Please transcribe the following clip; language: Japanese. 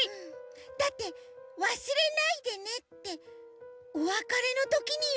だって「わすれないでね」っておわかれのときにいうことばでしょ。